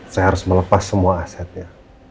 saya harus melepas semua asetnya